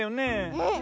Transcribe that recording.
うん。